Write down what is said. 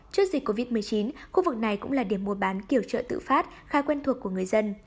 trước dịch covid một mươi chín khu vực này cũng là điểm mua bán kiểu chợ tự phát khá quen thuộc của người dân